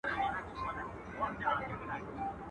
o نه تا کړي، نه ما کړي.